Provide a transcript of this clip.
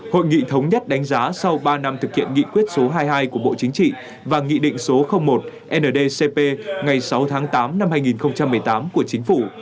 hội nghị thống nhất đánh giá sau ba năm thực hiện nghị quyết số hai mươi hai của bộ chính trị và nghị định số một ndcp ngày sáu tháng tám năm hai nghìn một mươi tám của chính phủ